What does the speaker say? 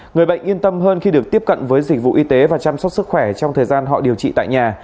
người bệnh yên tâm hơn khi được tiếp cận với dịch vụ y tế và chăm sóc sức khỏe trong thời gian họ điều trị tại nhà